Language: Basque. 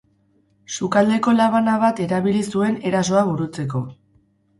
Sukaldeko labana bat erabili zuen erasoa burutzeko.